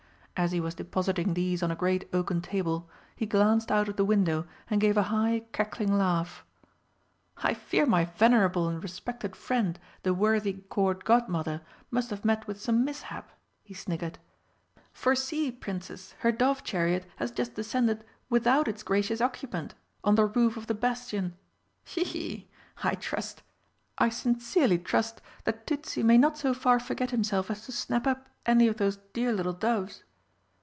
As he was depositing these on a great oaken table, he glanced out of the window and gave a high cackling laugh. "I fear my venerable and respected friend the worthy Court Godmother must have met with some mishap," he sniggered. "For see, Princess, her dove chariot has just descended, without its Gracious occupant, on the roof of the bastion! Hee hee! I trust I sincerely trust that Tützi may not so far forget himself as to snap up any of those dear little doves!"